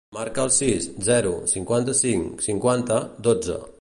Marca el sis, zero, cinquanta-cinc, cinquanta, dotze.